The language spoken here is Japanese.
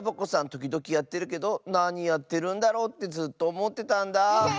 ときどきやってるけどなにやってるんだろうってずっとおもってたんだ。